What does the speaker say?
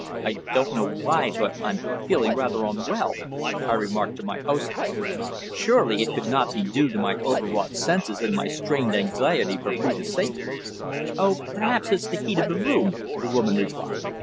"I don't know why, but I'm feeling rather unwell," I remarked to my hostess. Surely it could not be due to my overwrought senses and my strained anxiety for Phrida's safety. "Oh! Perhaps it's the heat of the room," the woman replied.